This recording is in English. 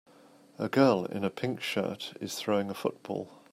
A girl in a pink shirt is throwing a football.